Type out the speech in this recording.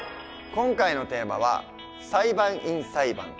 今回のテーマは「裁判員裁判」。